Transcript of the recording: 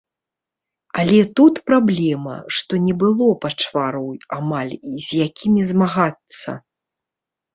Але тут праблема, што не было пачвараў амаль, з якімі змагацца.